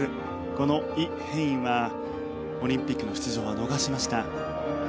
このイ・ヘインはオリンピックの出場を逃しました。